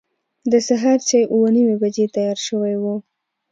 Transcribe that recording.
د سهار چای اوه نیمې بجې تیار شوی و.